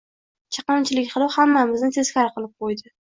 Chaqimchilik qilib, hammamizni teskari qilib qo`ydi